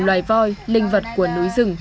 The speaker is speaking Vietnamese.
tớ cũng tin về tân